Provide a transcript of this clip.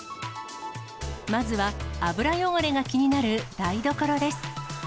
まずは油汚れが気になる台所です。